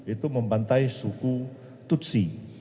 itu membantai suku tutsi